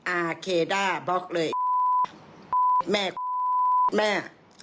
อาเคด้าบล็อกเลยแม่แม่